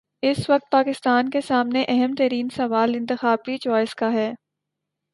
اس وقت پاکستان کے سامنے اہم ترین سوال انتخابی چوائس کا ہے۔